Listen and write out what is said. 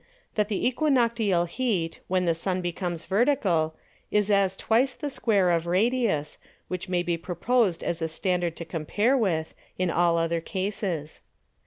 That the Æquinoctial Heat, when the Sun comes Vertical, is as twice the Square of Radius, which may be proposed as a Standard to compare with, in all other Cases.